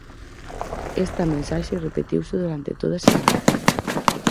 Esta mensaxe repetiuse durante toda a semana.